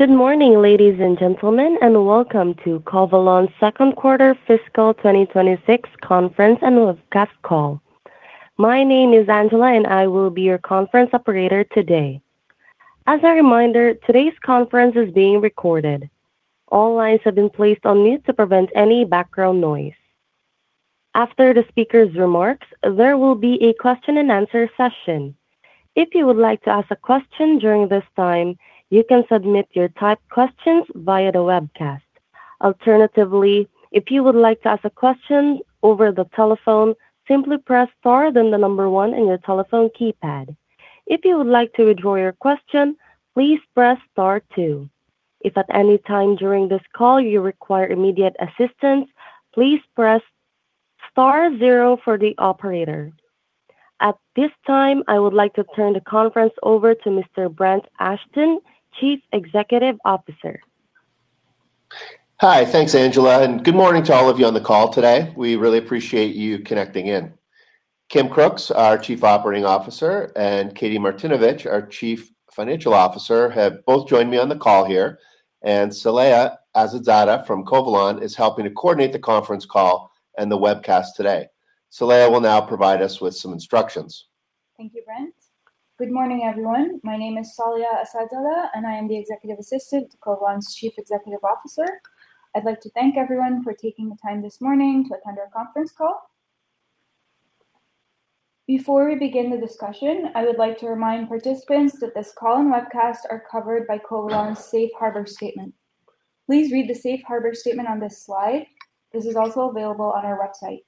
Good morning, ladies and gentlemen, and welcome to Covalon's second quarter fiscal 2026 conference and webcast call. My name is Angela, and I will be your conference operator today. As a reminder, today's conference is being recorded. All lines have been placed on mute to prevent any background noise. After the speaker's remarks, there will be a question and answer session. If you would like to ask a question during this time, you can submit your typed questions via the webcast. Alternatively, if you would like to ask a question over the telephone, simply press star then the number one on your telephone keypad. If you would like to withdraw your question, please press star two. If at any time during this call you require immediate assistance, please press star zero for the operator. At this time, I would like to turn the conference over to Mr. Brent Ashton, Chief Executive Officer. Hi. Thanks, Angela, and good morning to all of you on the call today. We really appreciate you connecting in. Kim Crooks, our Chief Operating Officer, and Katie Martinovich, our Chief Financial Officer, have both joined me on the call here, and Saleha Assadzada from Covalon is helping to coordinate the conference call and the webcast today. Saleha will now provide us with some instructions. Thank you, Brent Ashton. Good morning, everyone. My name is Saleha Assadzada, and I am the Executive Assistant to Covalon's Chief Executive Officer. I'd like to thank everyone for taking the time this morning to attend our conference call. Before we begin the discussion, I would like to remind participants that this call and webcast are covered by Covalon's Safe Harbor statement. Please read the Safe Harbor statement on this slide. This is also available on our website.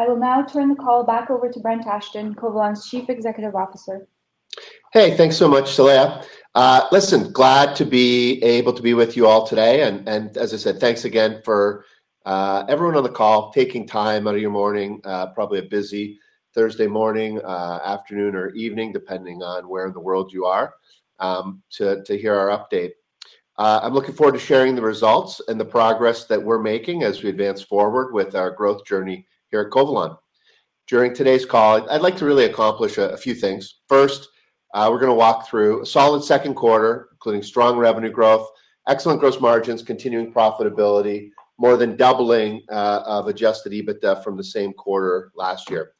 I will now turn the call back over to Brent Ashton, Covalon's Chief Executive Officer. Hey, thanks so much, Saleha. Listen, glad to be able to be with you all today, as I said, thanks again for everyone on the call taking time out of your morning, probably a busy Thursday morning, afternoon, or evening, depending on where in the world you are, to hear our update. I'm looking forward to sharing the results and the progress that we're making as we advance forward with our growth journey here at Covalon. During today's call, I'd like to really accomplish a few things. First, we're going to walk through a solid second quarter, including strong revenue growth, excellent gross margins, continuing profitability, more than doubling of adjusted EBITDA from the same quarter last year.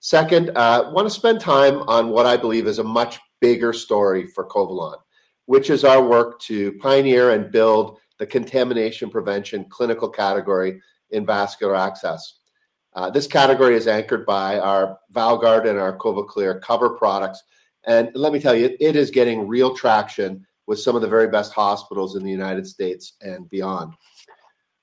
Second, want to spend time on what I believe is a much bigger story for Covalon, which is our work to pioneer and build the contamination prevention clinical category in vascular access. This category is anchored by our VALGuard and our CovaClear cover products, and let me tell you, it is getting real traction with some of the very best hospitals in the United States and beyond.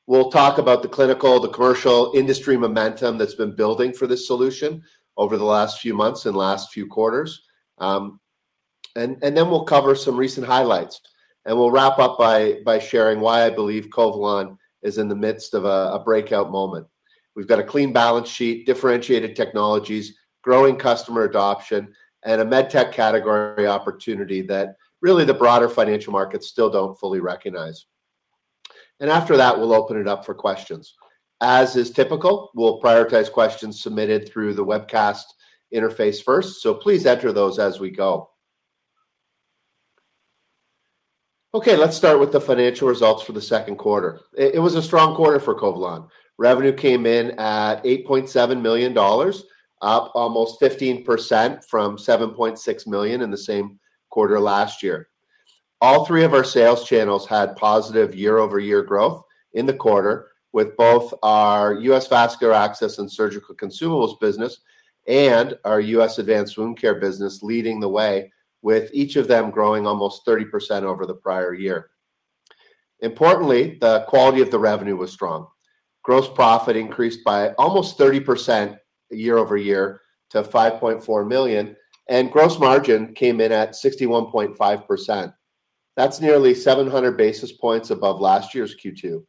We'll talk about the clinical, the commercial industry momentum that's been building for this solution over the last few months and last few quarters. Then we'll cover some recent highlights, and we'll wrap up by sharing why I believe Covalon is in the midst of a breakout moment. We've got a clean balance sheet, differentiated technologies, growing customer adoption, and a med tech category opportunity that really the broader financial markets still don't fully recognize. After that, we'll open it up for questions. As is typical, we'll prioritize questions submitted through the webcast interface first, please enter those as we go. Let's start with the financial results for the second quarter. It was a strong quarter for Covalon. Revenue came in at 8.7 million dollars, up almost 15% from 7.6 million in the same quarter last year. All three of our sales channels had positive year-over-year growth in the quarter with both our U.S. vascular access and surgical consumables business and our U.S. advanced wound care business leading the way with each of them growing almost 30% over the prior year. Importantly, the quality of the revenue was strong. Gross profit increased by almost 30% year-over-year to 5.4 million, gross margin came in at 61.5%. That's nearly 700 basis points above last year's Q2.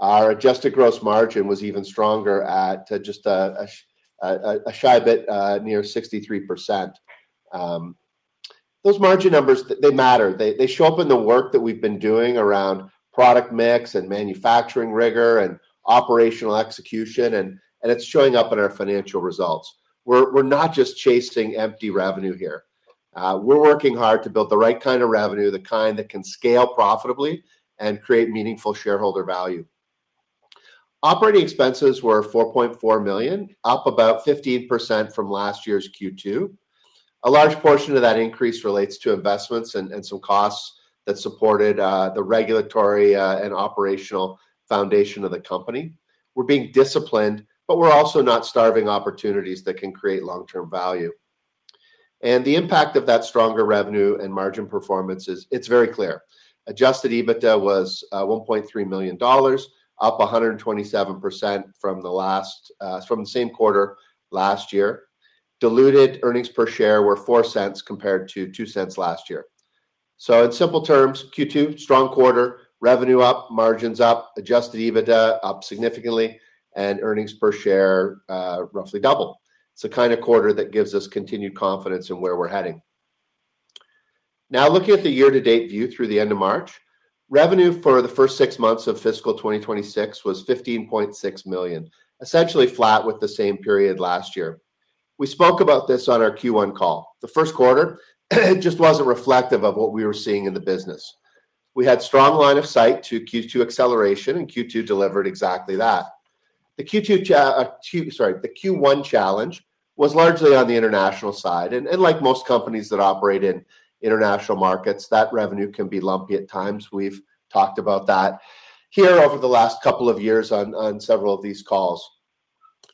Our adjusted gross margin was even stronger at just a shy bit near 63%. Those margin numbers, they matter. They show up in the work that we've been doing around product mix and manufacturing rigor and operational execution, and it's showing up in our financial results. We're not just chasing empty revenue here. We're working hard to build the right kind of revenue, the kind that can scale profitably and create meaningful shareholder value. Operating expenses were 4.4 million, up about 15% from last year's Q2. A large portion of that increase relates to investments and some costs that supported the regulatory and operational foundation of the company. We're being disciplined, we're also not starving opportunities that can create long-term value. The impact of that stronger revenue and margin performance is very clear. Adjusted EBITDA was 1.3 million dollars, up 127% from the same quarter last year. Diluted earnings per share were 0.04 compared to 0.02 last year. In simple terms, Q2, strong quarter, revenue up, margins up, adjusted EBITDA up significantly, and earnings per share roughly double. It's the kind of quarter that gives us continued confidence in where we're heading. Looking at the year-to-date view through the end of March, revenue for the first six months of fiscal 2026 was 15.6 million, essentially flat with the same period last year. We spoke about this on our Q1 call. The first quarter just wasn't reflective of what we were seeing in the business. We had strong line of sight to Q2 acceleration, and Q2 delivered exactly that. The Q1 challenge was largely on the international side, and like most companies that operate in international markets, that revenue can be lumpy at times. We've talked about that here over the last couple of years on several of these calls.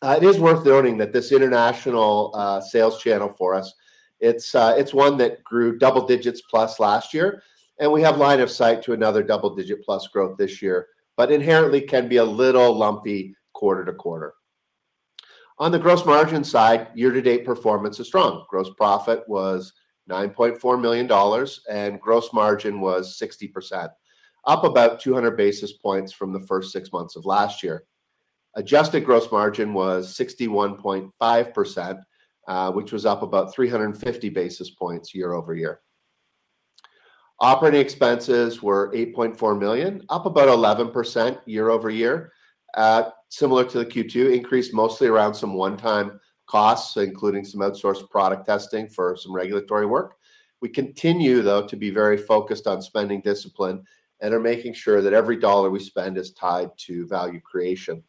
It is worth noting that this international sales channel for us, it's one that grew double digits plus last year, and we have line of sight to another double digit plus growth this year, but inherently can be a little lumpy quarter-to-quarter. On the gross margin side, year-to-date performance is strong. Gross profit was 9.4 million dollars, and gross margin was 60%, up about 200 basis points from the first six months of last year. Adjusted gross margin was 61.5%, which was up about 350 basis points year-over-year. Operating expenses were 8.4 million, up about 11% year-over-year, similar to the Q2, increased mostly around some one-time costs, including some outsourced product testing for some regulatory work. We continue, though, to be very focused on spending discipline and are making sure that every CAD we spend is tied to value creation.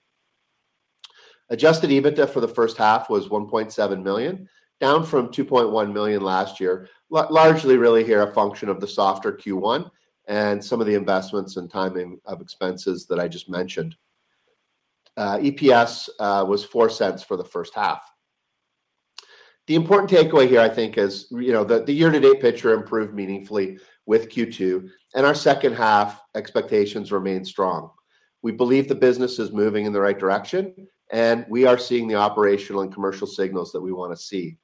Adjusted EBITDA for the first half was 1.7 million, down from 2.1 million last year. Largely really here, a function of the softer Q1 and some of the investments and timing of expenses that I just mentioned. EPS was 0.04 for the first half. The important takeaway here I think is, the year-to-date picture improved meaningfully with Q2, and our second half expectations remain strong. We believe the business is moving in the right direction, and we are seeing the operational and commercial signals that we want to see.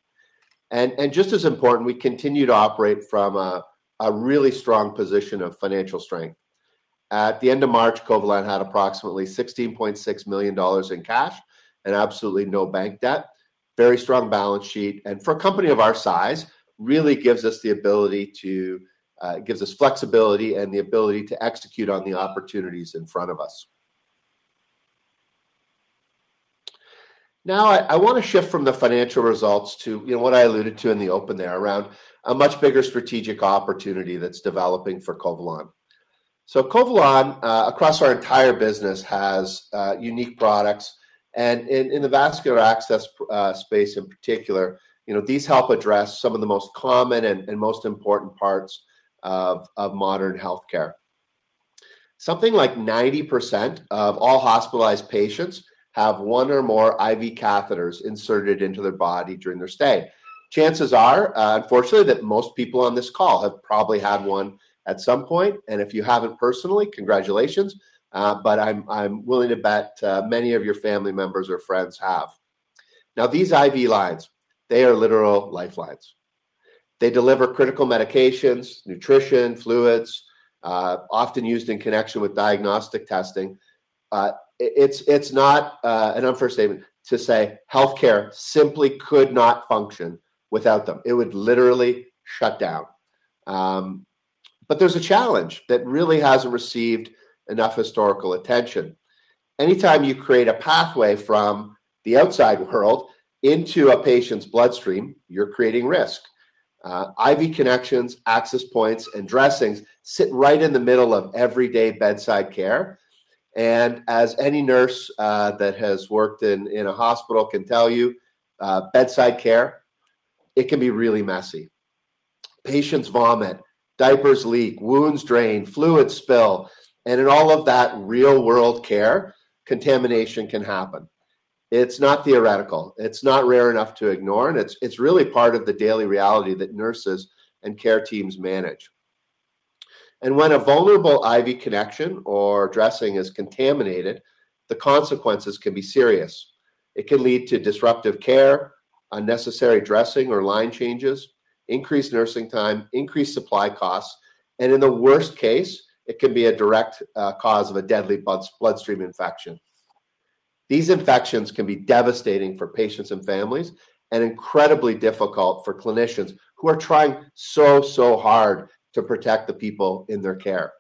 Just as important, we continue to operate from a really strong position of financial strength. At the end of March, Covalon had approximately 16.6 million dollars in cash and absolutely no bank debt. Very strong balance sheet. For a company of our size, really gives us flexibility and the ability to execute on the opportunities in front of us. I want to shift from the financial results to what I alluded to in the open there around a much bigger strategic opportunity that's developing for Covalon. Covalon, across our entire business, has unique products, and in the vascular access space in particular, these help address some of the most common and most important parts of modern healthcare. Something like 90% of all hospitalized patients have one or more IV catheters inserted into their body during their stay. Chances are, unfortunately, that most people on this call have probably had one at some point, and if you haven't personally, congratulations, but I'm willing to bet, many of your family members or friends have. These IV lines, they are literal lifelines. They deliver critical medications, nutrition, fluids, often used in connection with diagnostic testing. It's not an unfair statement to say healthcare simply could not function without them. It would literally shut down. There's a challenge that really hasn't received enough historical attention. Anytime you create a pathway from the outside world into a patient's bloodstream, you're creating risk. IV connections, access points, and dressings sit right in the middle of everyday bedside care, and as any nurse that has worked in a hospital can tell you, bedside care, it can be really messy. Patients vomit, diapers leak, wounds drain, fluids spill, and in all of that real-world care, contamination can happen. It's not theoretical. It's not rare enough to ignore, and it's really part of the daily reality that nurses and care teams manage. When a vulnerable IV connection or dressing is contaminated, the consequences can be serious. It can lead to disruptive care, unnecessary dressing or line changes, increased nursing time, increased supply costs, and in the worst case, it can be a direct cause of a deadly bloodstream infection. These infections can be devastating for patients and families and incredibly difficult for clinicians who are trying so hard to protect the people in their care.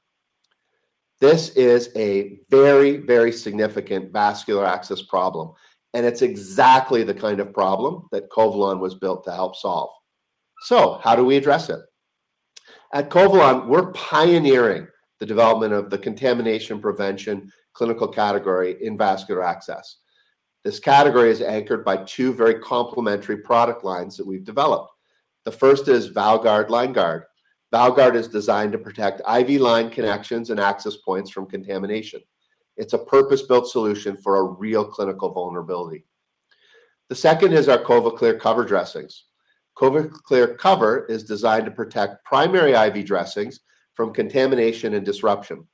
This is a very significant vascular access problem, and it's exactly the kind of problem that Covalon was built to help solve. How do we address it? At Covalon, we're pioneering the development of the contamination prevention clinical category in vascular access. This category is anchored by two very complementary product lines that we've developed. The first is VALGuard. VALGuard is designed to protect IV line connections and access points from contamination. It's a purpose-built solution for a real clinical vulnerability. The second is our CovaClear IV Cover dressings. CovaClear Cover is designed to protect primary IV dressings from contamination and disruption.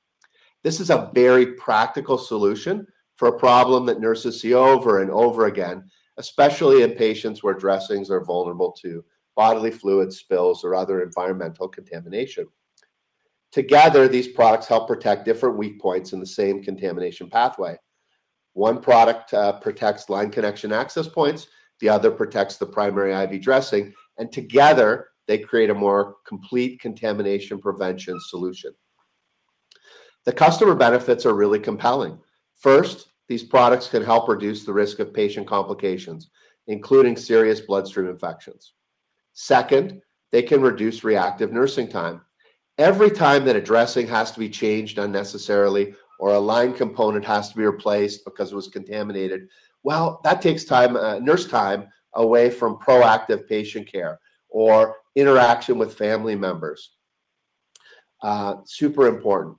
This is a very practical solution for a problem that nurses see over and over again, especially in patients where dressings are vulnerable to bodily fluid spills or other environmental contamination. Together, these products help protect different weak points in the same contamination pathway. One product protects line connection access points, the other protects the primary IV dressing, and together they create a more complete contamination prevention solution. The customer benefits are really compelling. First, these products can help reduce the risk of patient complications, including serious bloodstream infections. Second, they can reduce reactive nursing time. Every time that a dressing has to be changed unnecessarily or a line component has to be replaced because it was contaminated, well, that takes nurse time away from proactive patient care or interaction with family members. Super important.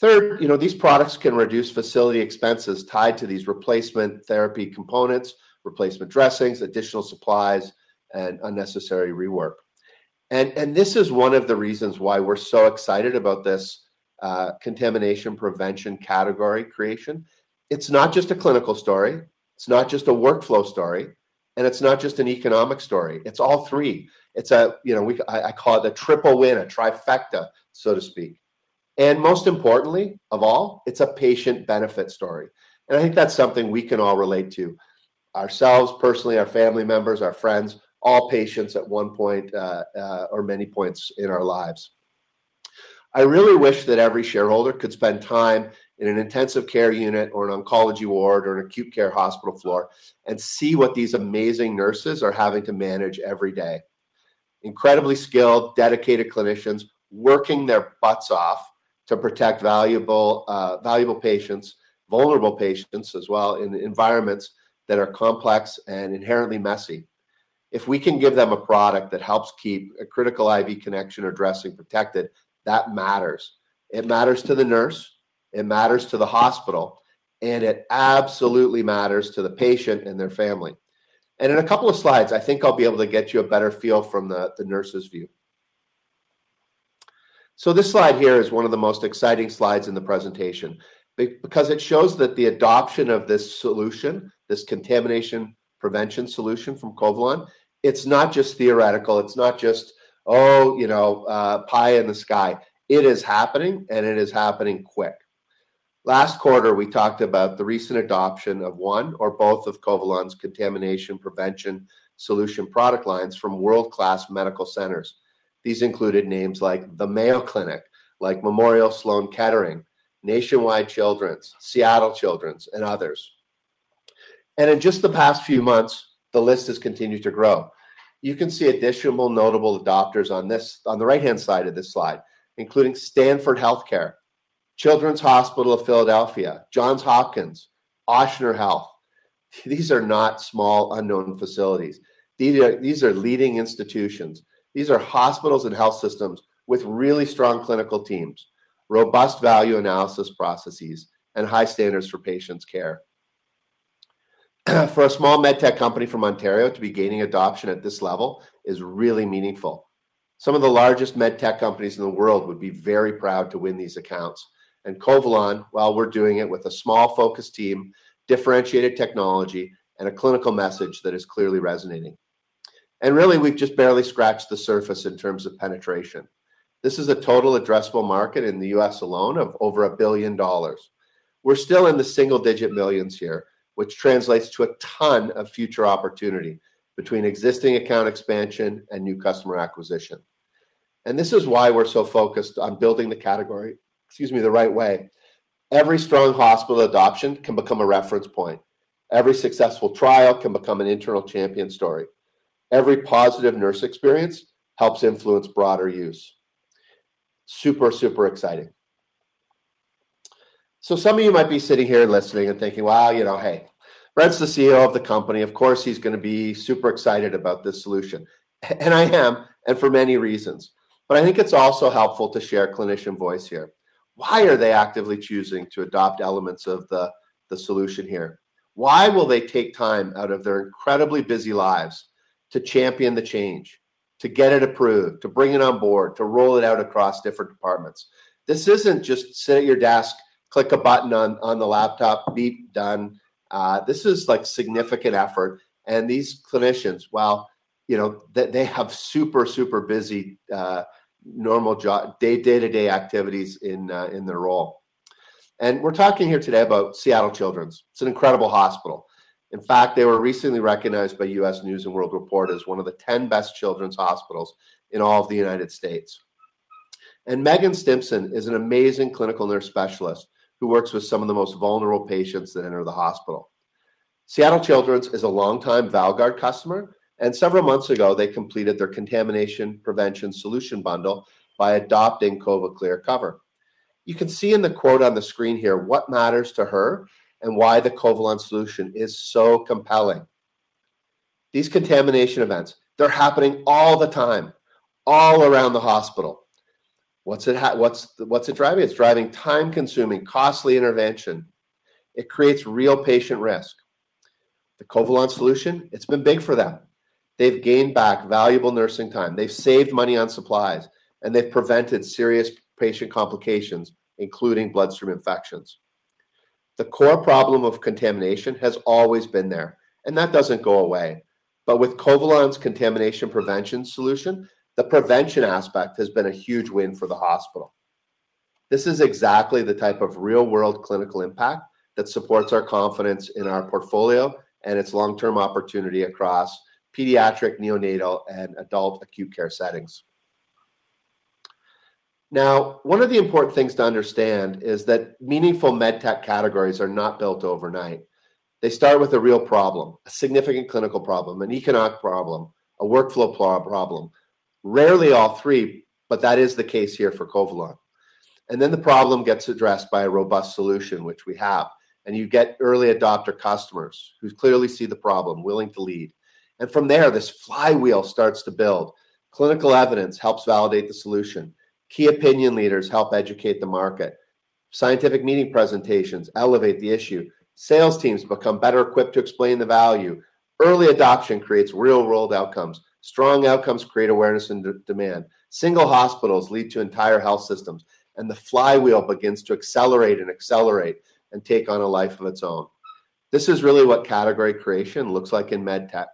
Third, these products can reduce facility expenses tied to these replacement therapy components, replacement dressings, additional supplies, and unnecessary rework. This is one of the reasons why we're so excited about this contamination prevention category creation. It's not just a clinical story, it's not just a workflow story, and it's not just an economic story. It's all three. I call it the triple win, a trifecta, so to speak. Most importantly of all, it's a patient benefit story. I think that's something we can all relate to, ourselves personally, our family members, our friends, all patients at one point, or many points in our lives. I really wish that every shareholder could spend time in an intensive care unit or an oncology ward or an acute care hospital floor and see what these amazing nurses are having to manage every day. Incredibly skilled, dedicated clinicians working their butts off to protect valuable patients, vulnerable patients as well, in environments that are complex and inherently messy. If we can give them a product that helps keep a critical IV connection or dressing protected, that matters. It matters to the nurse, it matters to the hospital, and it absolutely matters to the patient and their family. In a couple of slides, I think I'll be able to get you a better feel from the nurse's view. This slide here is one of the most exciting slides in the presentation, because it shows that the adoption of this solution, this contamination prevention solution from Covalon, it's not just theoretical. It's not just pie in the sky. It is happening, and it is happening quick. Last quarter, we talked about the recent adoption of one or both of Covalon's contamination prevention solution product lines from world-class medical centers. These included names like the Mayo Clinic, Memorial Sloan Kettering, Nationwide Children's, Seattle Children's, and others. In just the past few months, the list has continued to grow. You can see additional notable adopters on the right-hand side of this slide, including Stanford Health Care, Children's Hospital of Philadelphia, Johns Hopkins, Ochsner Health. These are not small, unknown facilities. These are leading institutions. These are hospitals and health systems with really strong clinical teams, robust value analysis processes, and high standards for patients' care. For a small med tech company from Ontario to be gaining adoption at this level is really meaningful. Some of the largest med tech companies in the world would be very proud to win these accounts. Covalon, while we're doing it with a small focused team, differentiated technology, and a clinical message that is clearly resonating. Really, we've just barely scratched the surface in terms of penetration. This is a total addressable market in the U.S. alone of over 1 billion dollars. We're still in the single-digit millions here, which translates to a ton of future opportunity between existing account expansion and new customer acquisition. This is why we're so focused on building the category the right way. Every strong hospital adoption can become a reference point. Every successful trial can become an internal champion story. Every positive nurse experience helps influence broader use. Super, super exciting. Some of you might be sitting here listening and thinking, "Well, hey, Brent's the CEO of the company. Of course, he's going to be super excited about this solution." I am, and for many reasons. I think it's also helpful to share clinician voice here. Why are they actively choosing to adopt elements of the solution here? Why will they take time out of their incredibly busy lives to champion the change, to get it approved, to bring it on board, to roll it out across different departments? This isn't just sit at your desk, click a button on the laptop, beep, done. This is significant effort, these clinicians, they have super busy, day-to-day activities in their role. We're talking here today about Seattle Children's. It's an incredible hospital. In fact, they were recently recognized by U.S. News & World Report as one of the 10 best children's hospitals in all of the U.S. Megan Stimpson is an amazing Clinical Nurse Specialist who works with some of the most vulnerable patients that enter the hospital. Seattle Children's is a long-time VALGuard customer, and several months ago, they completed their contamination prevention solution bundle by adopting CovaClear Cover. You can see in the quote on the screen here what matters to her and why the Covalon solution is so compelling. These contamination events, they're happening all the time, all around the hospital. What's it driving? It's driving time-consuming, costly intervention. It creates real patient risk. The Covalon solution, it's been big for them. They've gained back valuable nursing time. They've saved money on supplies, and they've prevented serious patient complications, including bloodstream infections. The core problem of contamination has always been there, and that doesn't go away. With Covalon's contamination prevention solution, the prevention aspect has been a huge win for the hospital. This is exactly the type of real-world clinical impact that supports our confidence in our portfolio and its long-term opportunity across pediatric, neonatal, and adult acute care settings. One of the important things to understand is that meaningful med tech categories are not built overnight. They start with a real problem, a significant clinical problem, an economic problem, a workflow problem. Rarely all three, but that is the case here for Covalon. The problem gets addressed by a robust solution, which we have, and you get early adopter customers who clearly see the problem, willing to lead. From there, this flywheel starts to build. Clinical evidence helps validate the solution. Key opinion leaders help educate the market. Scientific meeting presentations elevate the issue. Sales teams become better equipped to explain the value. Early adoption creates real-world outcomes. Strong outcomes create awareness and demand. Single hospitals lead to entire health systems, the flywheel begins to accelerate and take on a life of its own. This is really what category creation looks like in med tech,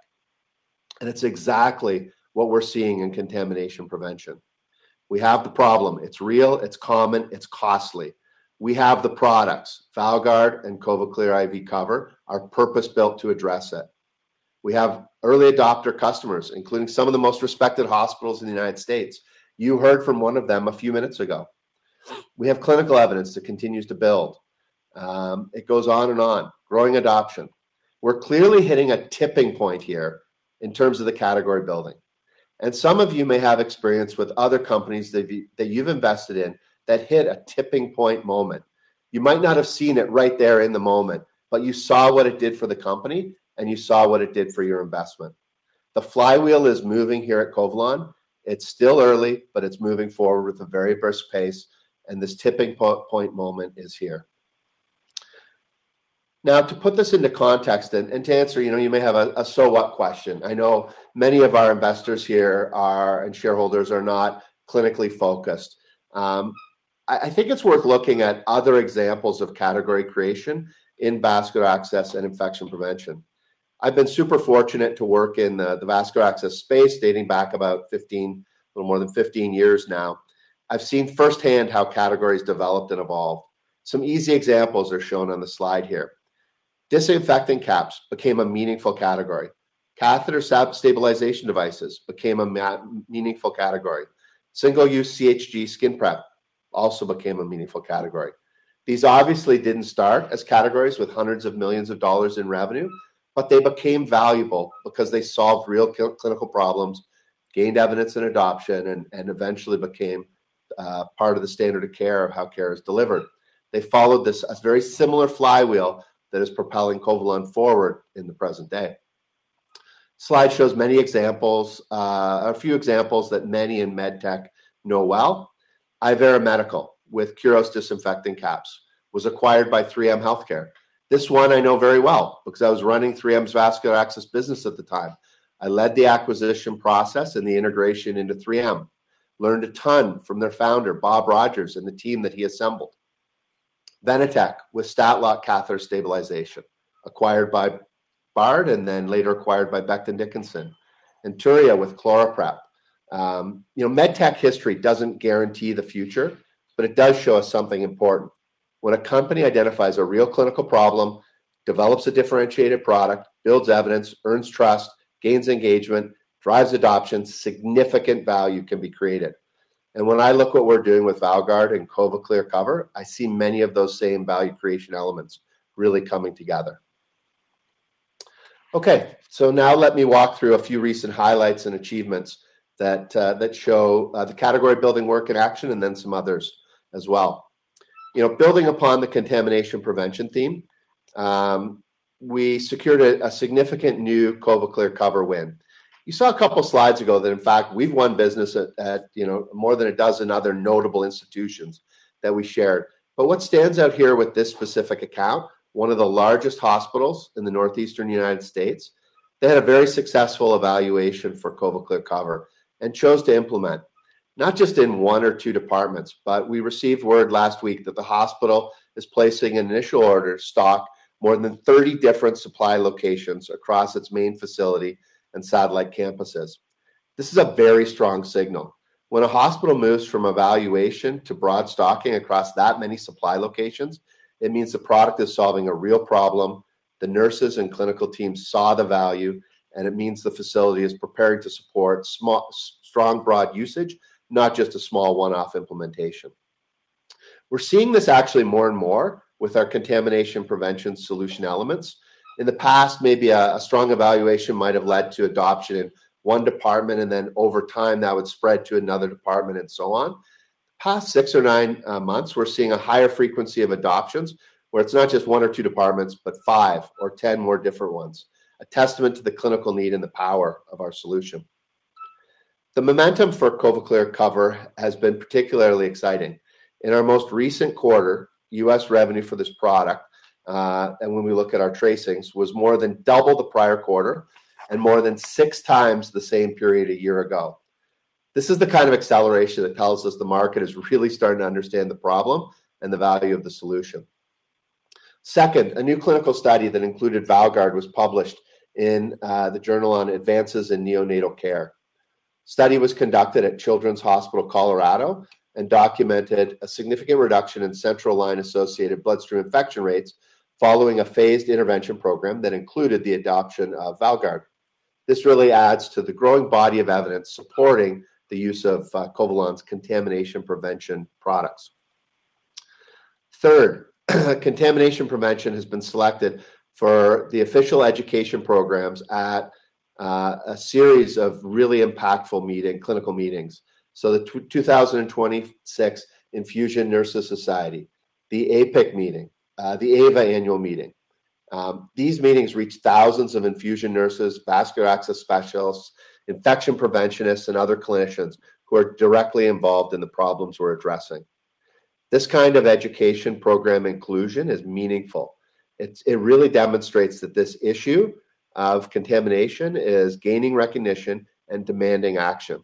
it's exactly what we're seeing in contamination prevention. We have the problem. It's real, it's common, it's costly. We have the products, VALGuard and CovaClear IV Cover, are purpose-built to address it. We have early adopter customers, including some of the most respected hospitals in the U.S. You heard from one of them a few minutes ago. We have clinical evidence that continues to build. It goes on and on, growing adoption. We're clearly hitting a tipping point here in terms of the category building. Some of you may have experience with other companies that you've invested in that hit a tipping point moment. You might not have seen it right there in the moment, but you saw what it did for the company, and you saw what it did for your investment. The flywheel is moving here at Covalon. It's still early, but it's moving forward with a very brisk pace, and this tipping point moment is here. To put this into context and to answer, you may have a "so what" question. I know many of our investors here are, and shareholders are not clinically focused. I think it's worth looking at other examples of category creation in vascular access and infection prevention. I've been super fortunate to work in the vascular access space dating back about a little more than 15 years now. I've seen firsthand how categories developed and evolved. Some easy examples are shown on the slide here. disinfectant caps became a meaningful category. Catheter stabilization devices became a meaningful category. Single-use CHG skin prep also became a meaningful category. These obviously didn't start as categories with hundreds of millions of dollars in revenue, but they became valuable because they solved real clinical problems, gained evidence and adoption, and eventually became part of the standard of care of how care is delivered. They followed this very similar flywheel that is propelling Covalon forward in the present day. Slide shows a few examples that many in med tech know well. Ivera Medical with Curos disinfecting caps was acquired by 3M Health Care. This one I know very well because I was running 3M's vascular access business at the time. I led the acquisition process and the integration into 3M, learned a ton from their founder, Bob Rogers, and the team that he assembled. Venetec with StatLock catheter stabilization, acquired by Bard and then later acquired by Becton Dickinson. Enturia with ChloraPrep. Med tech history doesn't guarantee the future, but it does show us something important. When a company identifies a real clinical problem, develops a differentiated product, builds evidence, earns trust, gains engagement, drives adoption, significant value can be created. When I look what we're doing with VALGuard and CovaClear IV Cover, I see many of those same value creation elements really coming together. Now let me walk through a few recent highlights and achievements that show the category building work in action and then some others as well. Building upon the contamination prevention theme, we secured a significant new CovaClear IV Cover win. You saw a couple slides ago that in fact, we've won business at more than a dozen other notable institutions that we shared. What stands out here with this specific account, one of the largest hospitals in the northeastern U.S., they had a very successful evaluation for CovaClear Cover and chose to implement, not just in one or two departments, but we received word last week that the hospital is placing an initial order to stock more than 30 different supply locations across its main facility and satellite campuses. This is a very strong signal. When a hospital moves from evaluation to broad stocking across that many supply locations, it means the product is solving a real problem, the nurses and clinical teams saw the value, and it means the facility is prepared to support strong broad usage, not just a small one-off implementation. We're seeing this actually more and more with our contamination prevention solution elements. In the past, maybe a strong evaluation might have led to adoption in one department, and then over time, that would spread to another department and so on. Past six or nine months, we're seeing a higher frequency of adoptions where it's not just one or two departments, but five or 10 more different ones, a testament to the clinical need and the power of our solution. The momentum for CovaClear Cover has been particularly exciting. In our most recent quarter, U.S. revenue for this product, and when we look at our tracings, was more than double the prior quarter and more than 6 times the same period a year ago. This is the kind of acceleration that tells us the market is really starting to understand the problem and the value of the solution. Second, a new clinical study that included VALGuard was published in the Journal on Advances in Neonatal Care. Study was conducted at Children's Hospital Colorado and documented a significant reduction in central line-associated bloodstream infection rates following a phased intervention program that included the adoption of VALGuard. This really adds to the growing body of evidence supporting the use of Covalon's contamination prevention products. Third, contamination prevention has been selected for the official education programs at a series of really impactful clinical meetings. The 2026 Infusion Nurses Society, the APIC meeting, the AVA annual meeting. These meetings reach thousands of infusion nurses, vascular access specialists, infection preventionists, and other clinicians who are directly involved in the problems we're addressing. This kind of education program inclusion is meaningful. It really demonstrates that this issue of contamination is gaining recognition and demanding action.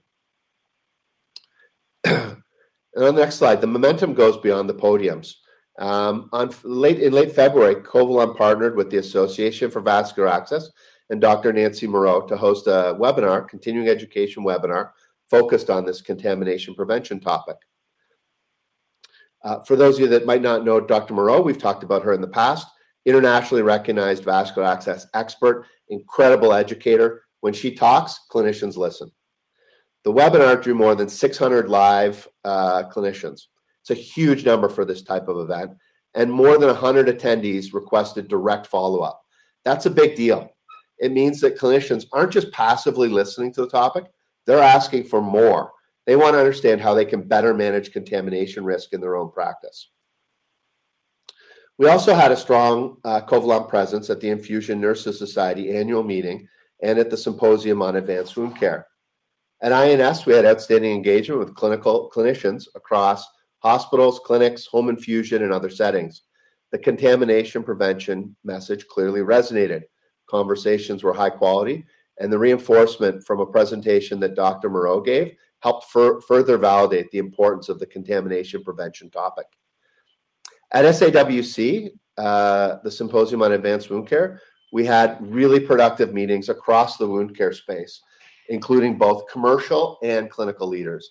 On the next slide, the momentum goes beyond the podiums. In late February, Covalon partnered with the Association for Vascular Access and Dr. Nancy Moureau to host a continuing education webinar focused on this contamination prevention topic. For those of you that might not know Dr. Moureau, we've talked about her in the past, internationally recognized vascular access expert, incredible educator. When she talks, clinicians listen. The webinar drew more than 600 live clinicians. It's a huge number for this type of event, and more than 100 attendees requested direct follow-up. That's a big deal. It means that clinicians aren't just passively listening to the topic, they're asking for more. They want to understand how they can better manage contamination risk in their own practice. We also had a strong Covalon presence at the Infusion Nurses Society annual meeting and at the Symposium on Advanced Wound Care. At INS, we had outstanding engagement with clinicians across hospitals, clinics, home infusion, and other settings. The contamination prevention message clearly resonated. Conversations were high quality, and the reinforcement from a presentation that Dr. Moureau gave helped further validate the importance of the contamination prevention topic. At SAWC, the Symposium on Advanced Wound Care, we had really productive meetings across the wound care space, including both commercial and clinical leaders.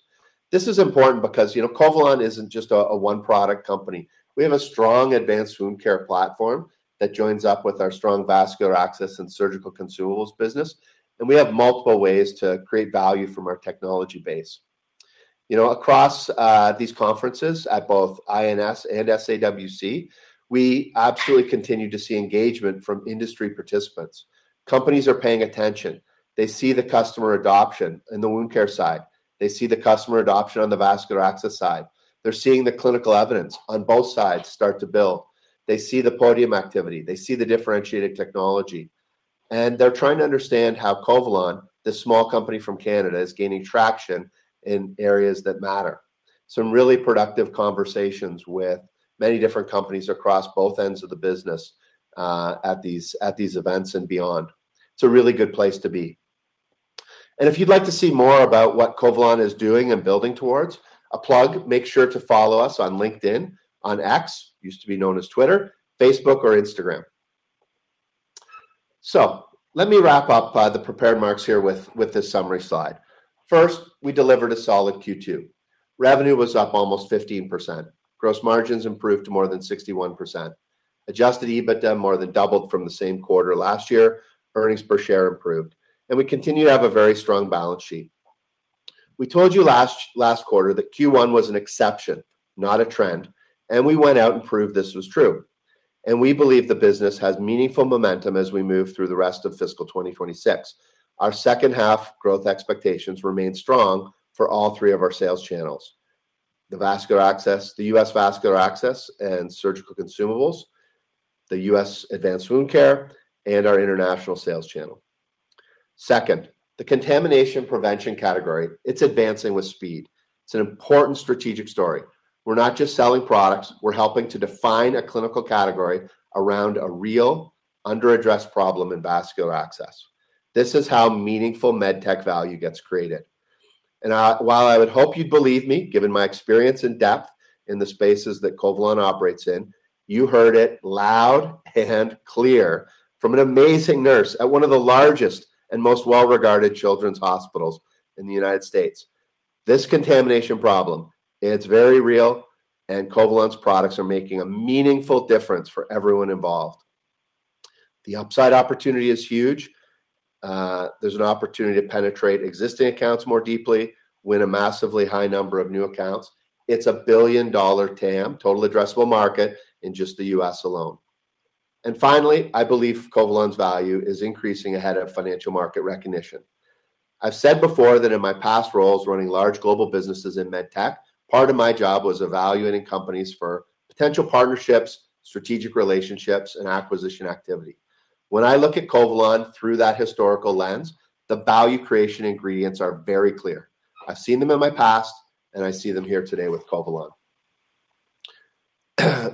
This is important because Covalon isn't just a one-product company. We have a strong advanced wound care platform that joins up with our strong vascular access and surgical consumables business, and we have multiple ways to create value from our technology base. Across these conferences, at both INS and SAWC, we absolutely continue to see engagement from industry participants. Companies are paying attention. They see the customer adoption in the wound care side. They see the customer adoption on the vascular access side. They're seeing the clinical evidence on both sides start to build. They see the podium activity. They see the differentiated technology, and they're trying to understand how Covalon, this small company from Canada, is gaining traction in areas that matter. Some really productive conversations with many different companies across both ends of the business, at these events and beyond. It's a really good place to be. If you'd like to see more about what Covalon is doing and building towards, a plug, make sure to follow us on LinkedIn, on X, used to be known as Twitter, Facebook, or Instagram. Let me wrap up the prepared marks here with this summary slide. First, we delivered a solid Q2. Revenue was up almost 15%. Gross margins improved more than 61%. Adjusted EBITDA more than doubled from the same quarter last year. Earnings per share improved, and we continue to have a very strong balance sheet. We told you last quarter that Q1 was an exception, not a trend, and we went out and proved this was true, and we believe the business has meaningful momentum as we move through the rest of fiscal 2026. Our second half growth expectations remain strong for all three of our sales channels. The U.S. vascular access and surgical consumables, the U.S. advanced wound care, and our international sales channel. Second, the contamination prevention category, it's advancing with speed. It's an important strategic story. We're not just selling products, we're helping to define a clinical category around a real under-addressed problem in vascular access. This is how meaningful med tech value gets created. While I would hope you'd believe me, given my experience and depth in the spaces that Covalon operates in, you heard it loud and clear from an amazing nurse at one of the largest and most well-regarded children's hospitals in the U.S. This contamination problem, it's very real, and Covalon's products are making a meaningful difference for everyone involved. The upside opportunity is huge. There's an opportunity to penetrate existing accounts more deeply, win a massively high number of new accounts. It's a billion-dollar TAM, total addressable market, in just the U.S. alone. Finally, I believe Covalon's value is increasing ahead of financial market recognition. I've said before that in my past roles running large global businesses in med tech, part of my job was evaluating companies for potential partnerships, strategic relationships, and acquisition activity. When I look at Covalon through that historical lens, the value creation ingredients are very clear. I've seen them in my past, and I see them here today with Covalon.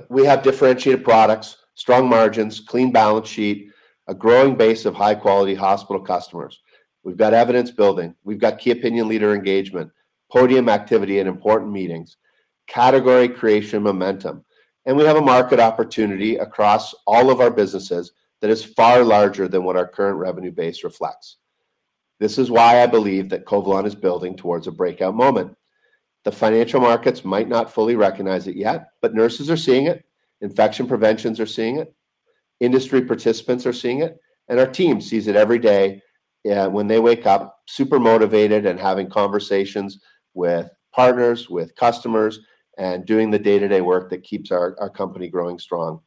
We have differentiated products, strong margins, clean balance sheet, a growing base of high-quality hospital customers. We've got evidence building. We've got key opinion leader engagement, podium activity in important meetings, category creation momentum. We have a market opportunity across all of our businesses that is far larger than what our current revenue base reflects. This is why I believe that Covalon is building towards a breakout moment. The financial markets might not fully recognize it yet, but nurses are seeing it, infection preventionists are seeing it, industry participants are seeing it. Our team sees it every day when they wake up super motivated and having conversations with partners, with customers, and doing the day-to-day work that keeps our company growing strong.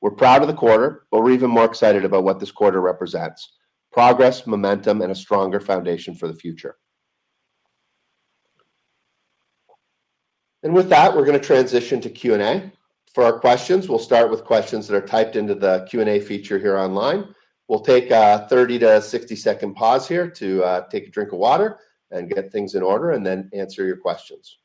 We're proud of the quarter, but we're even more excited about what this quarter represents. Progress, momentum, and a stronger foundation for the future. With that, we're going to transition to Q&A. For our questions, we'll start with questions that are typed into the Q&A feature here online. We'll take a 30 to 60 second pause here to take a drink of water and get things in order and then answer your questions.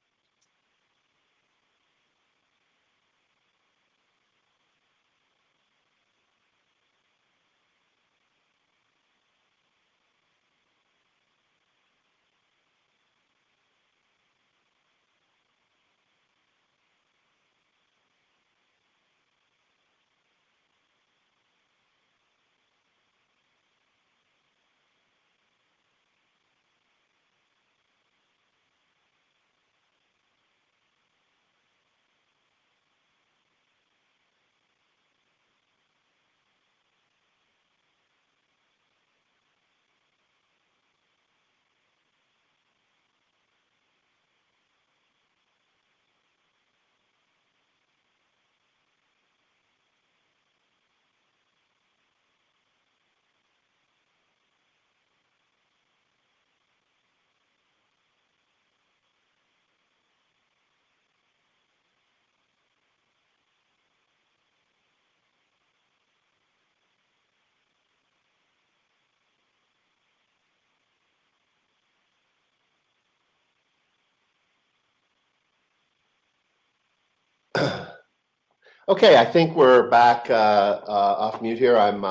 Okay, I think we're back off mute here. I'm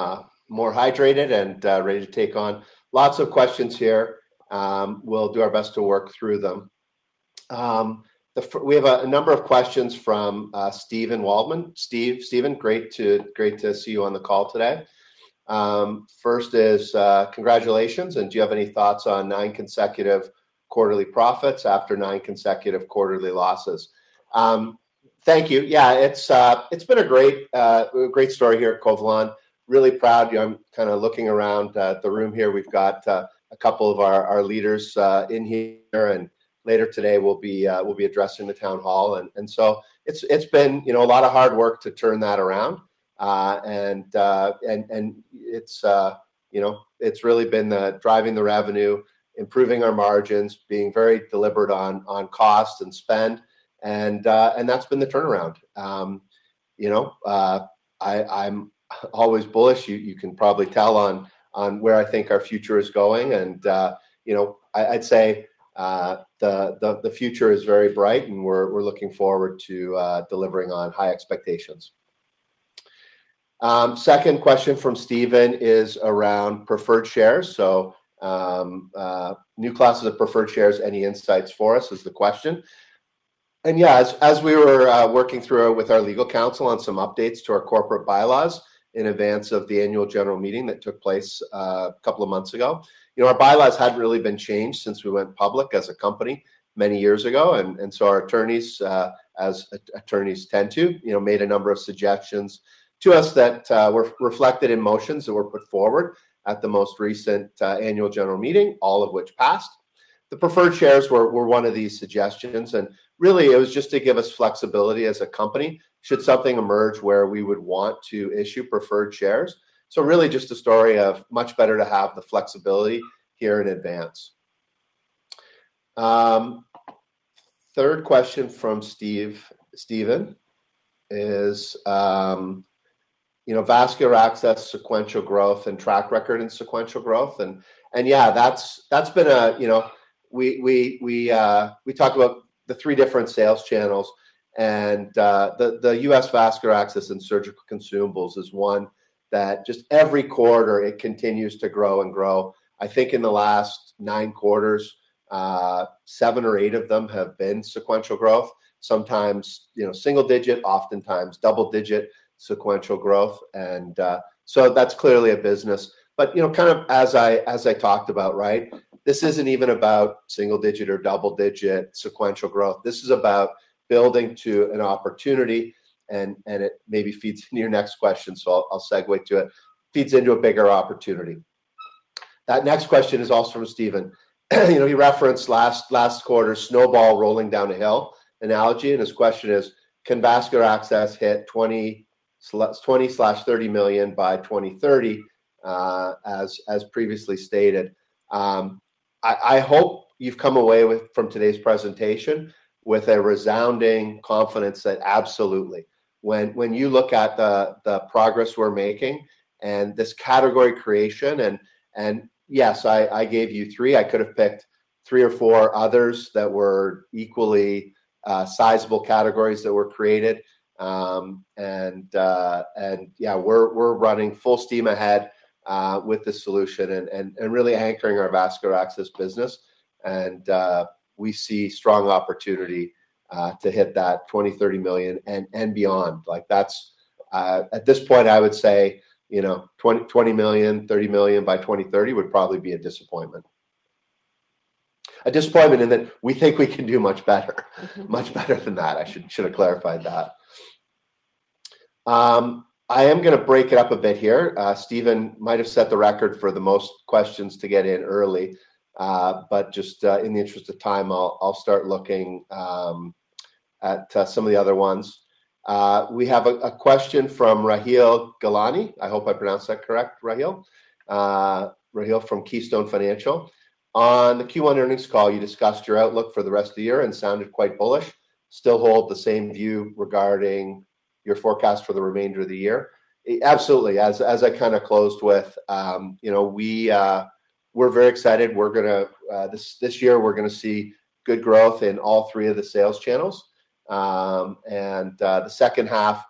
more hydrated and ready to take on lots of questions here. We'll do our best to work through them. We have a number of questions from Steven Waldman. Steven, great to see you on the call today. First is, congratulations and do you have any thoughts on nine consecutive quarterly profits after nine consecutive quarterly losses? Thank you. Yeah, it's been a great story here at Covalon. Really proud. I'm looking around the room here. We've got a couple of our leaders in here, and later today we'll be addressing the town hall, and so it's been a lot of hard work to turn that around. It's really been the driving the revenue, improving our margins, being very deliberate on cost and spend, and that's been the turnaround. I'm always bullish. You can probably tell on where I think our future is going, and I'd say the future is very bright, and we're looking forward to delivering on high expectations. Second question from Steven is around preferred shares. New classes of preferred shares, any insights for us is the question. Yeah, as we were working through with our legal counsel on some updates to our corporate bylaws in advance of the annual general meeting that took place a couple of months ago. Our bylaws hadn't really been changed since we went public as a company many years ago, and so our attorneys, as attorneys tend to, made a number of suggestions to us that were reflected in motions that were put forward at the most recent annual general meeting, all of which passed. The preferred shares were one of these suggestions, and really it was just to give us flexibility as a company should something emerge where we would want to issue preferred shares. Really just a story of much better to have the flexibility here in advance. Third question from Steven is vascular access sequential growth and track record and sequential growth, and yeah, we talk about the three different sales channels and the U.S. vascular access and surgical consumables is one that just every quarter it continues to grow and grow. I think in the last nine quarters, seven or eight of them have been sequential growth. Sometimes single-digit, oftentimes double-digit sequential growth. That's clearly a business. As I talked about, this isn't even about single-digit or double-digit sequential growth. This is about building to an opportunity and it maybe feeds into your next question, so I'll segue to it. It feeds into a bigger opportunity. That next question is also from Steven. He referenced last quarter's snowball rolling down a hill analogy. His question is, "Can vascular access hit 20 million-30 million by 2030 as previously stated?" I hope you've come away from today's presentation with a resounding confidence that absolutely. When you look at the progress we're making and this category creation. Yes, I gave you three, I could have picked three or four others that were equally sizable categories that were created. Yeah, we're running full steam ahead with this solution, really anchoring our vascular access business. We see strong opportunity to hit that 20 million, 30 million and beyond. At this point, I would say, 20 million, 30 million by 2030 would probably be a disappointment. A disappointment in that we think we can do much better. Much better than that. I should have clarified that. I am going to break it up a bit here. Steven might have set the record for the most questions to get in early. Just, in the interest of time, I'll start looking at some of the other ones. We have a question from Rahil Gilani. I hope I pronounced that correct, Rahil. Rahil from Keystone Financial. "On the Q1 earnings call, you discussed your outlook for the rest of the year and sounded quite bullish. Still hold the same view regarding your forecast for the remainder of the year?" Absolutely. As I closed with, we're very excited. This year, we're going to see good growth in all three of the sales channels. The second half,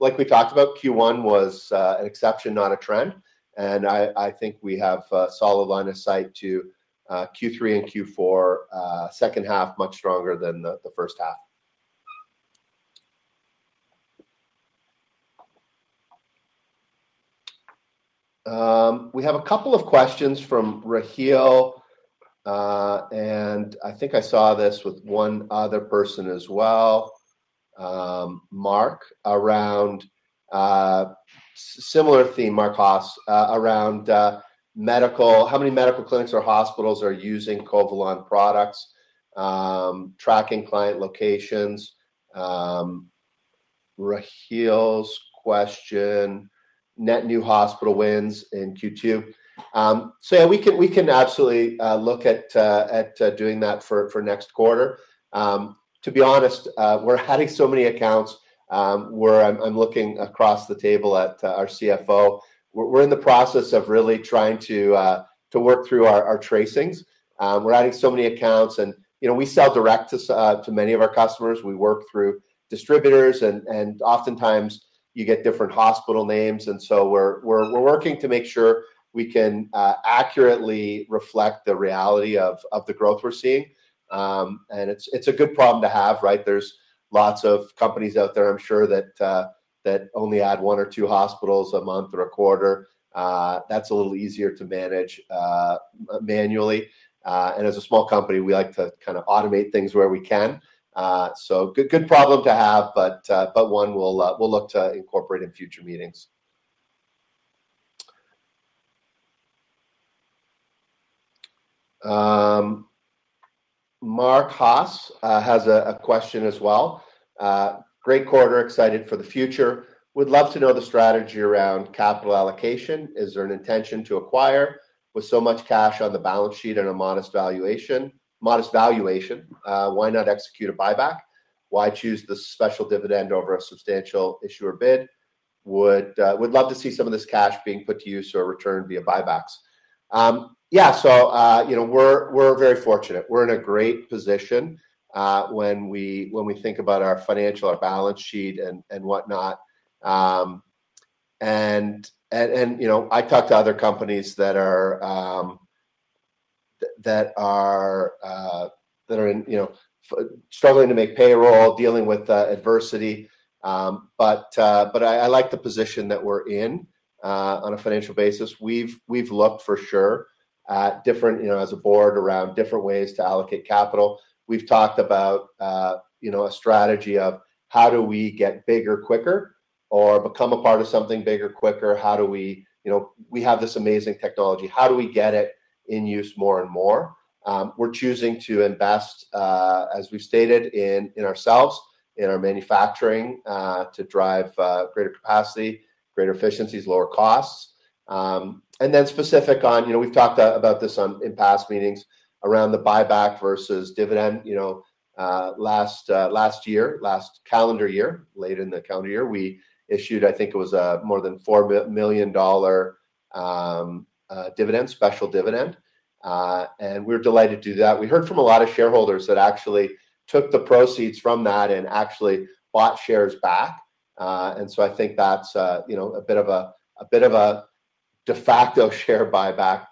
like we talked about, Q1 was an exception, not a trend. I think we have a solid line of sight to Q3 and Q4, second half much stronger than the first half. We have a couple of questions from Rahil, and I think I saw this with one other person as well, Mark, similar theme, Mark Haas, around how many medical clinics or hospitals are using Covalon products, tracking client locations. Rahil's question, net new hospital wins in Q2. Yeah, we can absolutely look at doing that for next quarter. To be honest, we're adding so many accounts, where I'm looking across the table at our CFO. We're in the process of really trying to work through our tracings. We're adding so many accounts, and we sell direct to many of our customers. We work through distributors, and oftentimes you get different hospital names, and so we're working to make sure we can accurately reflect the reality of the growth we're seeing. It's a good problem to have, right? There's lots of companies out there, I'm sure, that only add one or two hospitals a month or a quarter. That's a little easier to manage manually. As a small company, we like to automate things where we can. Good problem to have, but one we'll look to incorporate in future meetings. Mark Haas has a question as well. "Great quarter. Excited for the future. Would love to know the strategy around capital allocation. Is there an intention to acquire with so much cash on the balance sheet at a modest valuation? Why not execute a buyback? Why choose the special dividend over a substantial issuer bid? Would love to see some of this cash being put to use or returned via buybacks." Yeah, we're very fortunate. We're in a great position when we think about our financial or balance sheet and what not. I talk to other companies that are struggling to make payroll, dealing with adversity, but I like the position that we're in on a financial basis. We've looked for sure as a board around different ways to allocate capital. We've talked about a strategy of how do we get bigger quicker or become a part of something bigger quicker? We have this amazing technology. How do we get it in use more and more? We're choosing to invest, as we've stated, in ourselves, in our manufacturing, to drive greater capacity, greater efficiencies, lower costs. Specific on, we've talked about this in past meetings around the buyback versus dividend. Last calendar year, late in the calendar year, we issued, I think it was more than 4 million dollar special dividend. We were delighted to do that. We heard from a lot of shareholders that actually took the proceeds from that and actually bought shares back. I think that's a bit of a de facto share buyback.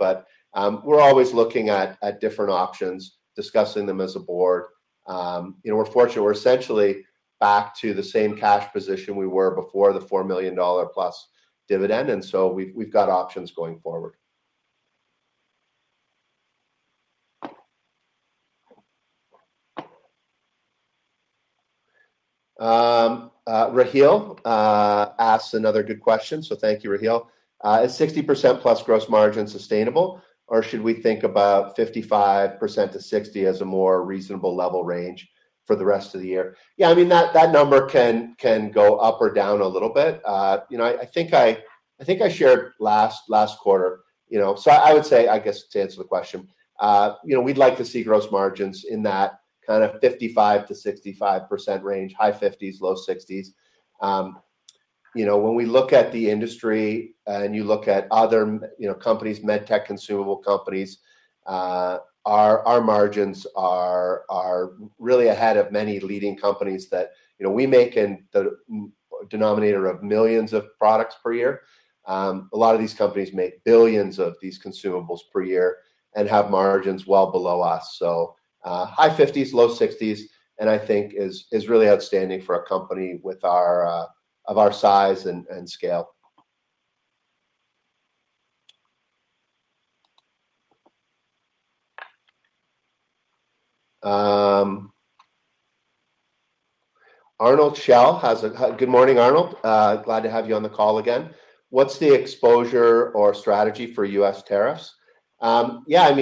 We're always looking at different options, discussing them as a board. We're fortunate we're essentially back to the same cash position we were before the CAD 4 million plus dividend, we've got options going forward. Rahil asks another good question, thank you, Rahil. "Is 60% plus gross margin sustainable, or should we think about 55%-60% as a more reasonable level range for the rest of the year?" Yeah, that number can go up or down a little bit. I think I shared last quarter. I would say, I guess to answer the question, we'd like to see gross margins in that kind of 55%-65% range, high 50s, low 60s. When we look at the industry and you look at other companies, medtech consumable companies, our margins are really ahead of many leading companies that we make in the denominator of millions of products per year. A lot of these companies make billions of these consumables per year and have margins well below us. High 50s, low 60s, and I think is really outstanding for a company of our size and scale. Arnold Shell, good morning, Arnold. Glad to have you on the call again. What's the exposure or strategy for U.S. tariffs? Yeah,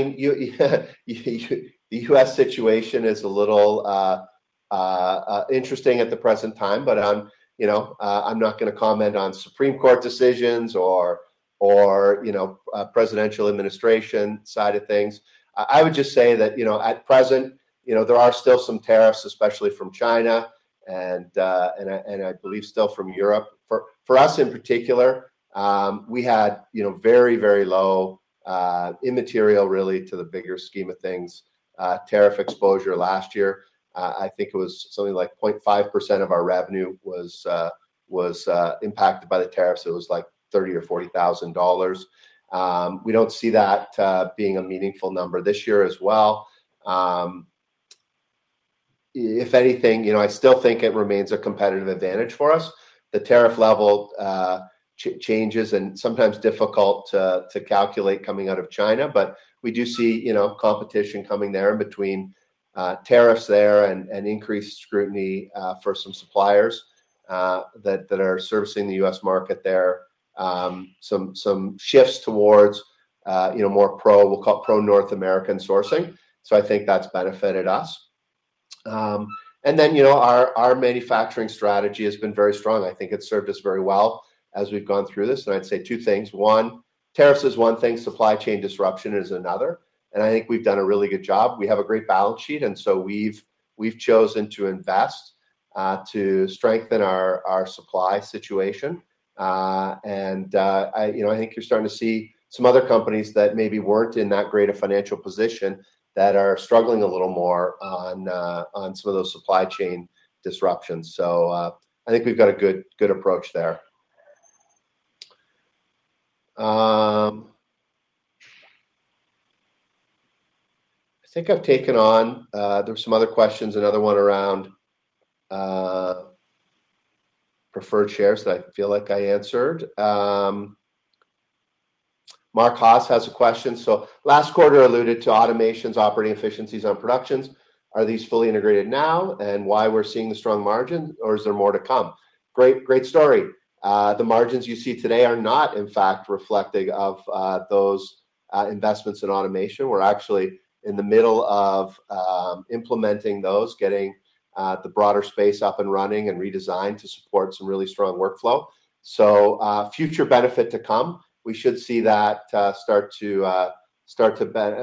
the U.S. situation is a little interesting at the present time, but I'm not going to comment on Supreme Court decisions or presidential administration side of things. I would just say that, at present there are still some tariffs, especially from China and I believe still from Europe. For us in particular, we had very low, immaterial really to the bigger scheme of things, tariff exposure last year. I think it was something like 0.5% of our revenue was impacted by the tariffs. It was like 30,000 or 40,000 dollars. We don't see that being a meaningful number this year as well. If anything, I still think it remains a competitive advantage for us. The tariff level changes and sometimes difficult to calculate coming out of China. We do see competition coming there in between tariffs there and increased scrutiny for some suppliers that are servicing the U.S. market there. Some shifts towards more pro, we'll call it pro North American sourcing. I think that's benefited us. Our manufacturing strategy has been very strong. I think it's served us very well as we've gone through this. I'd say two things, one, tariffs is one thing, supply chain disruption is another, and I think we've done a really good job. We have a great balance sheet. We've chosen to invest, to strengthen our supply situation. I think you're starting to see some other companies that maybe weren't in that great a financial position that are struggling a little more on some of those supply chain disruptions. I think we've got a good approach there. I think there were some other questions, another one around preferred shares that I feel like I answered. Mark Haas has a question. Last quarter alluded to automations, operating efficiencies on productions. Are these fully integrated now and why we're seeing the strong margin, or is there more to come? Great story. The margins you see today are not in fact reflecting of those investments in automation. We're actually in the middle of implementing those, getting the broader space up and running and redesigned to support some really strong workflow. Future benefit to come. We should see that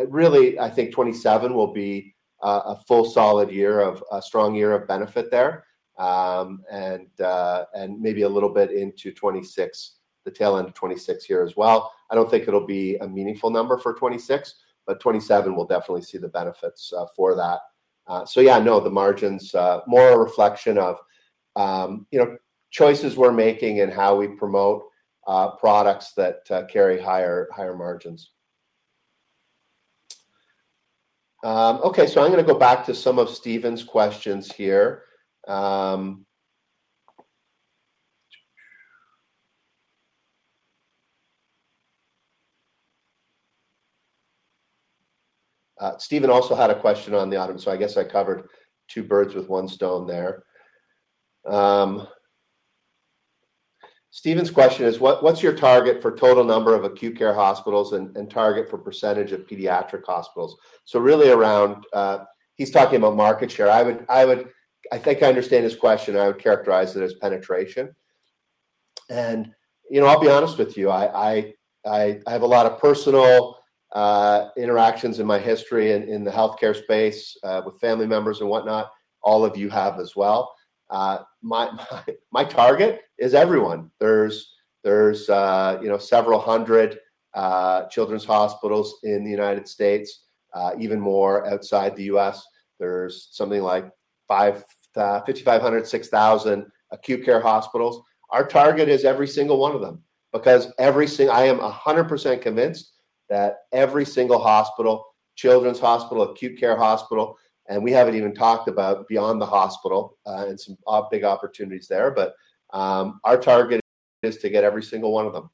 Really, I think 2027 will be a full, solid year, a strong year of benefit there. Maybe a little bit into 2026, the tail end of 2026 here as well. I don't think it'll be a meaningful number for 2026, but 2027 we'll definitely see the benefits for that. Yeah, no, the margin's more a reflection of choices we're making and how we promote products that carry higher margins. Okay. I'm going to go back to some of Steven's questions here. Steven also had a question. I guess I covered two birds with one stone there. Steven's question is, "What's your target for total number of acute care hospitals and target for percentage of pediatric hospitals?" Really around, he's talking about market share. I think I understand his question, and I would characterize it as penetration. I'll be honest with you, I have a lot of personal interactions in my history in the healthcare space, with family members and whatnot. All of you have as well. My target is everyone. There's several hundred children's hospitals in the U.S., even more outside the U.S. There's something like 5,500, 6,000 acute care hospitals. Our target is every single one of them, because I am 100% convinced that every single hospital, children's hospital, acute care hospital, and we haven't even talked about beyond the hospital, and some big opportunities there. Our target is to get every single one of them.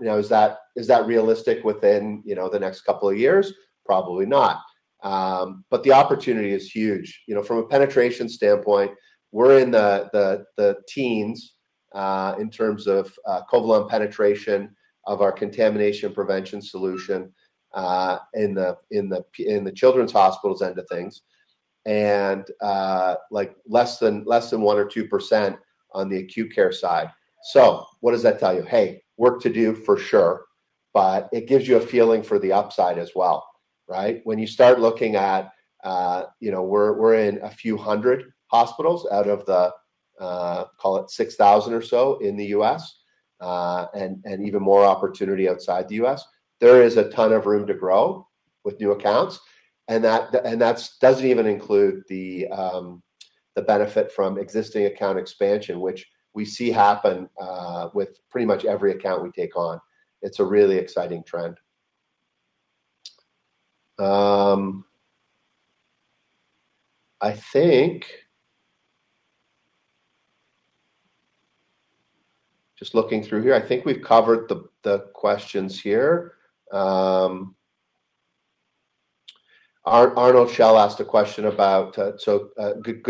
Is that realistic within the next couple of years? Probably not. The opportunity is huge. From a penetration standpoint, we're in the teens in terms of Covalon penetration of our contamination prevention solution, in the children's hospitals end of things, and less than 1% or 2% on the acute care side. What does that tell you? Hey, work to do for sure. But it gives you a feeling for the upside as well, right? When you start looking at, we're in a few hundred hospitals out of the, call it 6,000 or so in the U.S., and even more opportunity outside the U.S. That doesn't even include the benefit from existing account expansion, which we see happen with pretty much every account we take on. It's a really exciting trend. Just looking through here, I think we've covered the questions here. Arnold Shell asked a question. Good,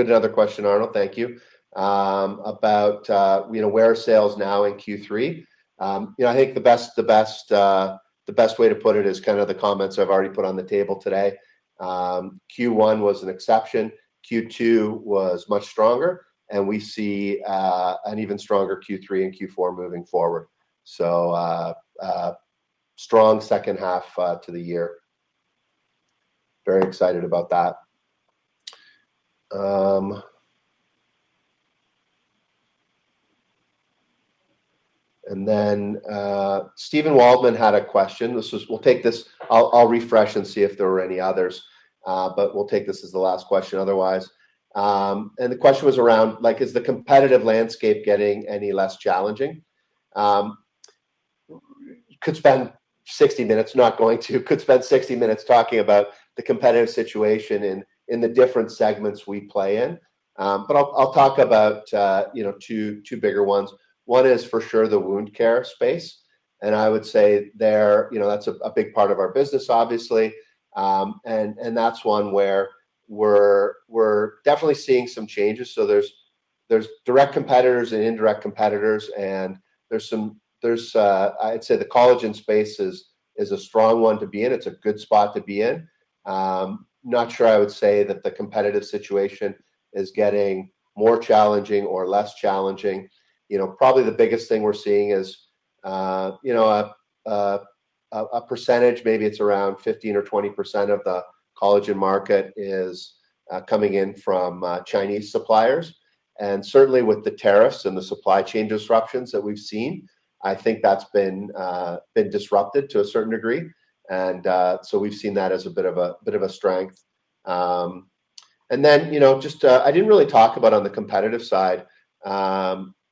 another question, Arnold, thank you. Where are sales now in Q3? I think the best way to put it is kind of the comments I've already put on the table today. Q1 was an exception, Q2 was much stronger, and we see an even stronger Q3 and Q4 moving forward. Strong second half to the year. Very excited about that. Steven Waldman had a question. I'll refresh and see if there were any others, but we'll take this as the last question, otherwise. The question was around is the competitive landscape getting any less challenging? Could spend 60 minutes, not going to, could spend 60 minutes talking about the competitive situation in the different segments we play in. I'll talk about two bigger ones. One is for sure the wound care space. I would say there, that's a big part of our business, obviously. That's one where we're definitely seeing some changes. There's direct competitors and indirect competitors, and I'd say the collagen space is a strong one to be in. It's a good spot to be in. Not sure I would say that the competitive situation is getting more challenging or less challenging. Probably the biggest thing we're seeing is a percentage, maybe it's around 15% or 20% of the collagen market is coming in from Chinese suppliers. Certainly with the tariffs and the supply chain disruptions that we've seen, I think that's been disrupted to a certain degree. We've seen that as a bit of a strength. I didn't really talk about on the competitive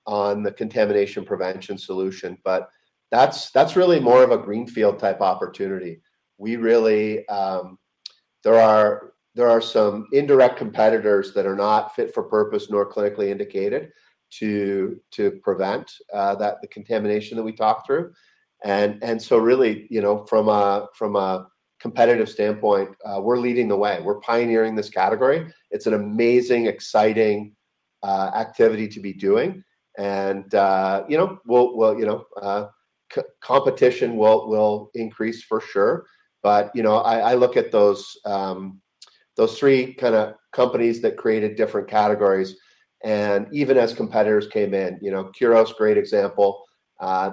side, on the contamination prevention solution, but that's really more of a greenfield type opportunity. There are some indirect competitors that are not fit for purpose, nor clinically indicated to prevent the contamination that we talked through. Really, from a competitive standpoint, we're leading the way. We're pioneering this category. It's an amazing, exciting activity to be doing. Competition will increase for sure. I look at those three kind of companies that created different categories, and even as competitors came in, Curos, great example,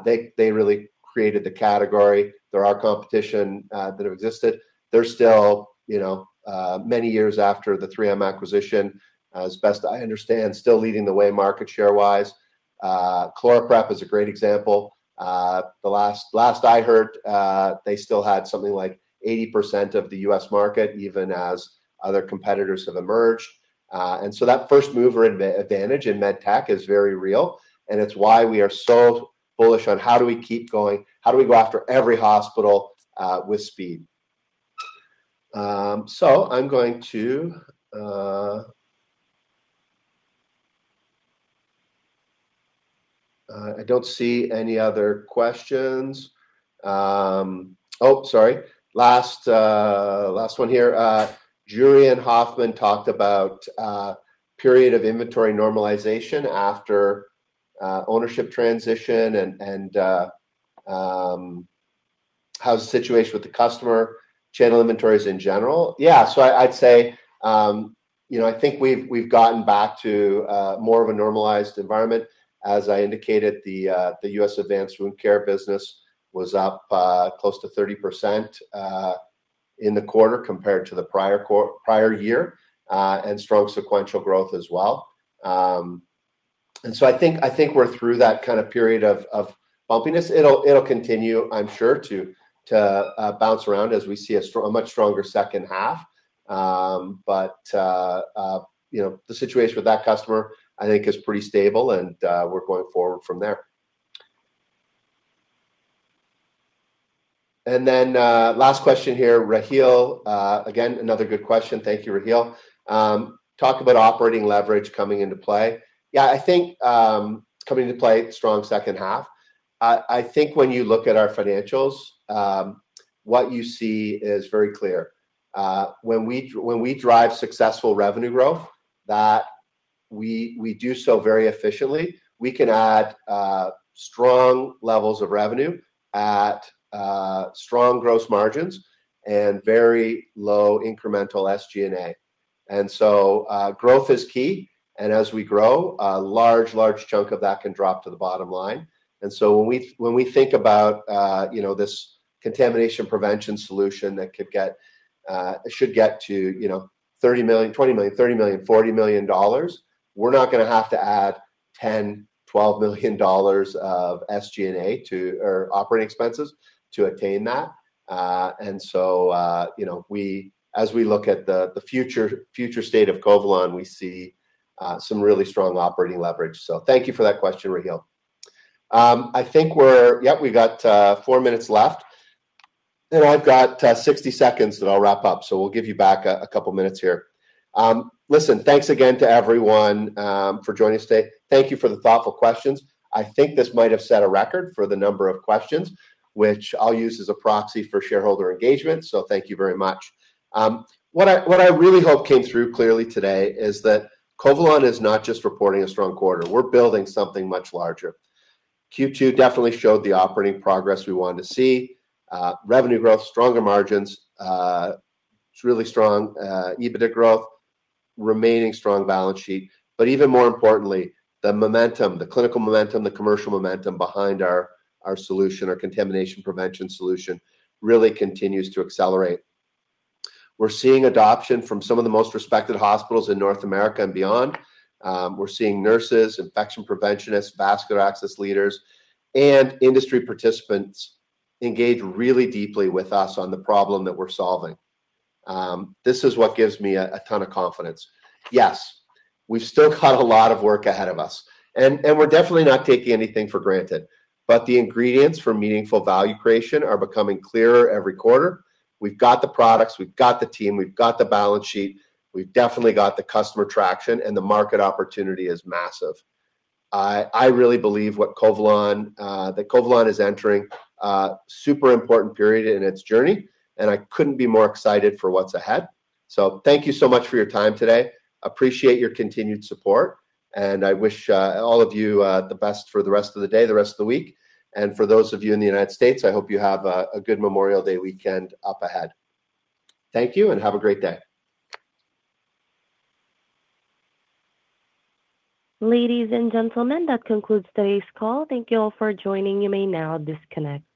they really created the category. There are competition that have existed. They're still, many years after the 3M acquisition, as best I understand, still leading the way market share wise. ChloraPrep is a great example. The last I heard, they still had something like 80% of the U.S. market, even as other competitors have emerged. That first mover advantage in med tech is very real, and it's why we are so bullish on how do we keep going, how do we go after every hospital with speed? I don't see any other questions. Sorry. Last one here. Jurian Hoffman talked about period of inventory normalization after ownership transition, and how's the situation with the customer, channel inventories in general? Yeah. I'd say, I think we've gotten back to more of a normalized environment. As I indicated, the U.S. advanced wound care business was up close to 30% in the quarter compared to the prior year, and strong sequential growth as well. I think we're through that kind of period of bumpiness. It'll continue, I'm sure, to bounce around as we see a much stronger second half. The situation with that customer, I think, is pretty stable and we're going forward from there. Last question here, Rahil, again, another good question. Thank you, Rahil. Talk about operating leverage coming into play. I think coming into play strong second half. I think when you look at our financials, what you see is very clear. When we drive successful revenue growth, that we do so very efficiently. We can add strong levels of revenue at strong gross margins and very low incremental SG&A. Growth is key, and as we grow, a large chunk of that can drop to the bottom line. When we think about this contamination prevention solution that should get to 20 million, 30 million, 40 million dollars, we're not going to have to add 10 million, 12 million dollars of SG&A or operating expenses to attain that. As we look at the future state of Covalon, we see some really strong operating leverage. Thank you for that question, Rahil. I think we've got four minutes left, and I've got 60 seconds that I'll wrap up. We'll give you back a couple of minutes here. Listen, thanks again to everyone for joining us today. Thank you for the thoughtful questions. I think this might have set a record for the number of questions, which I'll use as a proxy for shareholder engagement, thank you very much. What I really hope came through clearly today is that Covalon is not just reporting a strong quarter. We're building something much larger. Q2 definitely showed the operating progress we wanted to see. Revenue growth, stronger margins, really strong EBITDA growth, remaining strong balance sheet. Even more importantly, the momentum, the clinical momentum, the commercial momentum behind our solution, our contamination prevention solution, really continues to accelerate. We're seeing adoption from some of the most respected hospitals in North America and beyond. We're seeing nurses, infection preventionists, vascular access leaders, and industry participants engage really deeply with us on the problem that we're solving. This is what gives me a ton of confidence. We've still got a lot of work ahead of us, and we're definitely not taking anything for granted. The ingredients for meaningful value creation are becoming clearer every quarter. We've got the products, we've got the team, we've got the balance sheet, we've definitely got the customer traction, and the market opportunity is massive. I really believe that Covalon is entering a super important period in its journey, and I couldn't be more excited for what's ahead. Thank you so much for your time today. Appreciate your continued support, and I wish all of you the best for the rest of the day, the rest of the week. For those of you in the U.S., I hope you have a good Memorial Day weekend up ahead. Thank you and have a great day. Ladies and gentlemen, that concludes today's call. Thank you all for joining. You may now disconnect.